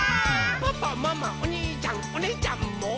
「パパママおにいちゃんおねぇちゃんも」